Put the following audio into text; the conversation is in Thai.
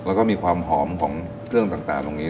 แล้วก็มีความหอมของเครื่องต่างตรงนี้